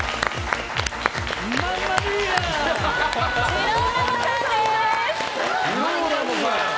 ジローラモさんです。